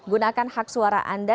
gunakan hak suara anda